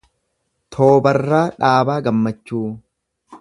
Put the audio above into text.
Toobarraa Dhaabaa Gammachuu